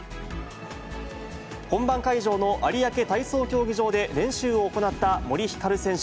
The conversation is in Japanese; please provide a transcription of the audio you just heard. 本番会場の有明体操競技場で、練習を行った森ひかる選手。